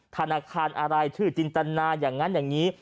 ธนาคารอะไรชื่อจินตนาอย่างนั้นอย่างนี้